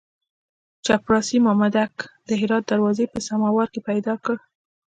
چپړاسي مامدک د هرات دروازې په سماوار کې پیدا کړ.